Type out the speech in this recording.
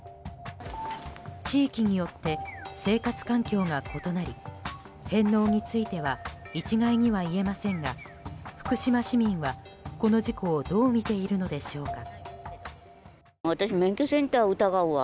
地域によって生活環境が異なり返納については一概にはいえませんが福島市民は、この事故をどう見ているのでしょうか。